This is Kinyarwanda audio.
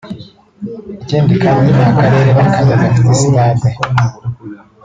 ikindi kandi nta karere na kamwe gafite Sitade